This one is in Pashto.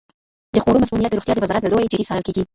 د خوړو مسمومیت د روغتیا د وزارت له لوري جدي څارل کیږي.